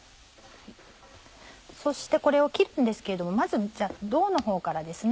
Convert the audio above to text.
そしてこれを切るんですけれどもまず胴のほうからですね。